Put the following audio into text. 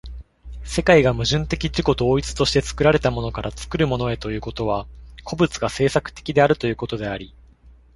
世界が矛盾的自己同一として作られたものから作るものへということは、個物が製作的であるということであり、